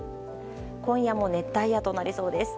今夜も熱帯夜となりそうです。